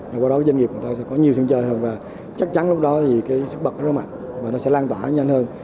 và qua đó doanh nghiệp người ta sẽ có nhiều sân chơi hơn và chắc chắn lúc đó thì cái sức bật nó rất mạnh và nó sẽ lan tỏa nhanh hơn